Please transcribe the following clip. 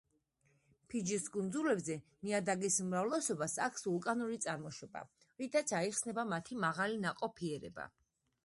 ფიჯის კუნძულებზე ნიადაგის უმრავლესობას აქვს ვულკანური წარმოშობა, რითაც აიხსნება მათი მაღალი ნაყოფიერება.